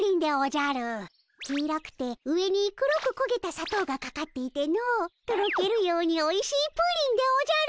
黄色くて上に黒くこげたさとうがかかっていてのとろけるようにおいしいプリンでおじゃる！